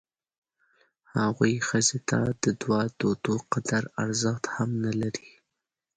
هغوی ښځې ته د دوه توتو قدر ارزښت هم نه لري.